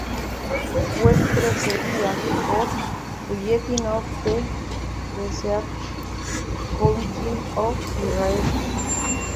Fue precedida por "Bulletin of the Research Council of Israel".